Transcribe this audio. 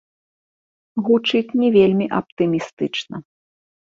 Гучыць не вельмі аптымістычна.